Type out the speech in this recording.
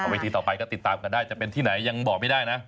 เวทีต่อไปก็ติดตามกันได้จะเป็นที่ไหนยังบอกไม่ได้นะ